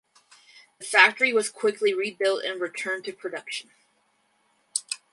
The factory was quickly rebuilt and returned to production.